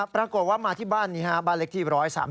ปรากฏว่ามาที่บ้านนี้ฮะบ้านเล็กที่๑๓๓